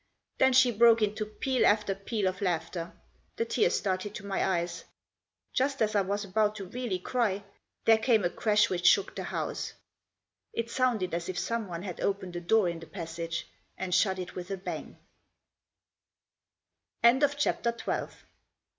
Then she broke into peal after peal of laughter. The tears started to my eyes. Just as I was about to really cry there came a crash which shook the house. It sounded as if someone had opened a door in the passage and shut it with a bang.